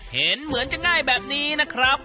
เห็นเหมือนจะง่ายแบบนี้นะครับ